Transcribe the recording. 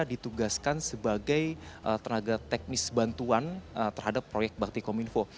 ditugaskan sebagai tenaga teknis bantuan terhadap proyek bakti kominfo